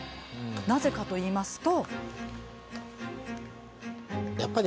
なぜかといいますと。